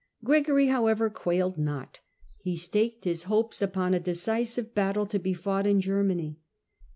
Gregory, however, quailed not ; he staked his hopes upon a decisive battle to be fought in Germany.